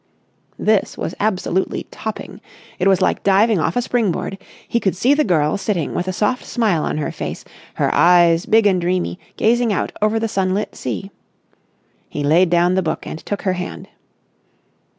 This was absolutely topping. It was like diving off a spring board. He could see the girl sitting with a soft smile on her face, her eyes, big and dreamy, gazing out over the sunlit sea. He laid down the book and took her hand.